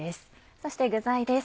そして具材です。